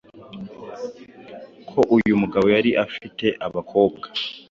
ko uyu mugabo yari afite abakobwa,